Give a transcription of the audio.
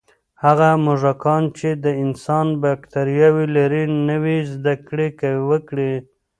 هغه موږکان چې د انسان بکتریاوې لري، نوې زده کړې وکړې.